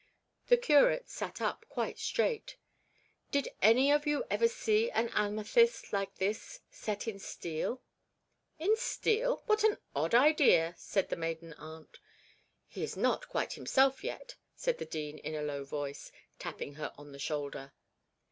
The curate sat up quite straight. 'Did any of you ever see an amethyst like this set in steel?' 'In steel? What an odd idea!' said the maiden aunt. 'He is not quite himself yet,' said the dean in a low voice, tapping her on the shoulder.